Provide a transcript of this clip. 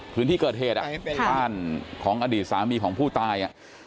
พื้นที่เกิดเหตุบ้านของอดีตสามีของผู้ตาย